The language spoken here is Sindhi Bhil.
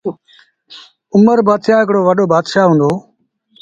اُمر بآتشآه هڪڙو وڏو بآتشآه هُݩدو،